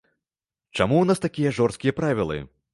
Чаму ў нас такія жорсткія правілы?